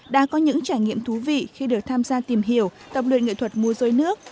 đã có những trải nghiệm thú vị khi được tham gia tìm hiểu tập luyện nghệ thuật mua dối nước